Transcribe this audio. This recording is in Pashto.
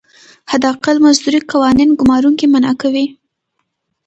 حداقل مزدوري قوانین ګمارونکي منعه کوي.